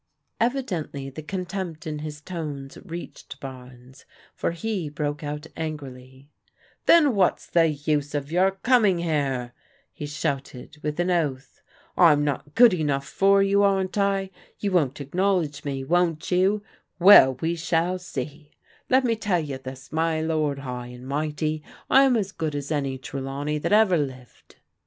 Evidently the contempt in his tones reached Barnes, for he broke out angrily :" Then what's the use of your coming here ?" he shouted with an oath. " I'm not good enough for you, aren't Yi "Mou ^ociX ^OissLcs^V^sgt ^mst* it €t ELEANOR AND PEGGY DEFIANT 205 von*t you? Well, we shall see. Let me tell you this, ny lord high and mighty, I'm as good as any Trelawnex hat ever lived."